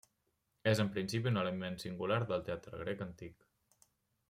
És en principi un element singular del teatre grec antic.